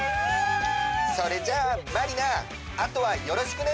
それじゃあまりなあとはよろしくね！